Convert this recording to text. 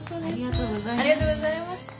ありがとうございます。